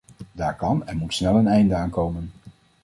Daar kan en moet snel een einde aan komen.